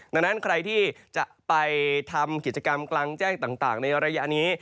ดังนั้นใครที่จะไปทำกิจกรรมกลางแจ้งต่างในระยะนี้